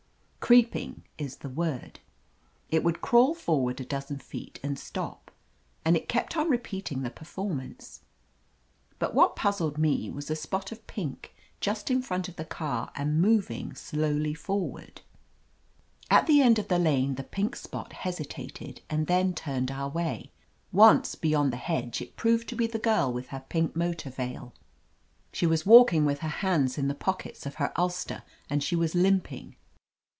Creeping is the word. It would crawl forward a dozen feet and stop, and it kept on repeating the perform ance. But what puzzled me was a spot of pink, just in front of the car and moving slowly forward. At the end of the lane the pink spot hesitated and then turned our way. Once beyond the hedge, it proved to be the girl with her pink 244 OF LETITIA CARBERRY motor veil. She was walking with her hands in the pockets of her ulster, and she was limp ing.